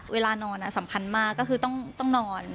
เวลานอนสำคัญมากก็คือต้องนอน